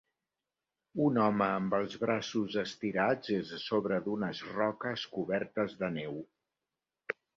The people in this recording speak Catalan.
Un home amb els braços estirats és a sobre d'unes roques cobertes de neu.